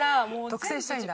独占したいんだ。